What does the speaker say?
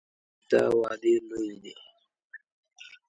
دا وعدې لویې دي.